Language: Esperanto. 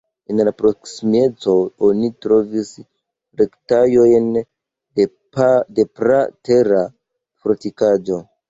En la proksimeco oni trovis restaĵojn de praa tera fortikaĵo.